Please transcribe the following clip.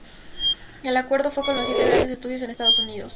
El acuerdo fue con los siete grandes estudios en Estados Unidos.